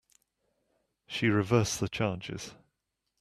She reversed the charges.